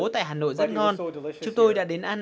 tại hà nội rất ngon chúng tôi đã đến ăn